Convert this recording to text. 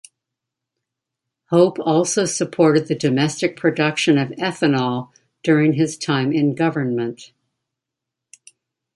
Hope also supported the domestic production of ethanol during his time in government.